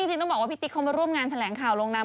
จริงต้องบอกว่าพี่ติ๊กเขามาร่วมงานแถลงข่าวลงนาม